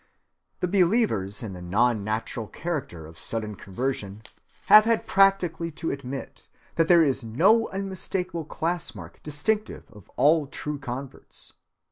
The believers in the non‐natural character of sudden conversion have had practically to admit that there is no unmistakable class‐mark distinctive of all true converts.